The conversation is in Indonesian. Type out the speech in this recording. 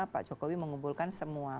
pak jokowi mengumpulkan semua